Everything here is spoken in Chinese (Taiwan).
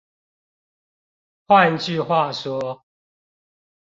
換句話說